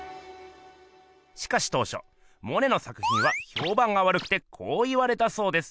しかし当しょモネの作品はひょうばんがわるくてこう言われたそうです。